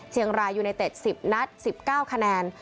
เชียงรายยูเนเต็ด๑๐นัด๑๙คะแนน